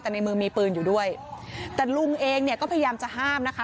แต่ในมือมีปืนอยู่ด้วยแต่ลุงเองเนี่ยก็พยายามจะห้ามนะคะ